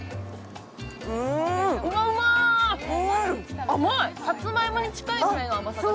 うまうま、甘いさつまいもに近いぐらいの甘さ。